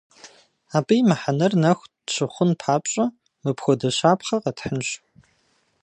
Абы и мыхьэнэр нахуэ тщыхъун папщӏэ, мыпхуэдэ щапхъэ къэтхьынщ.